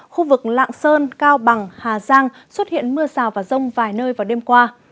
khu vực lạng sơn cao bằng hà giang xuất hiện mưa rào và rông vài nơi vào đêm qua